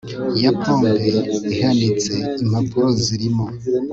ya pompe ihanitse, impapuro zirimo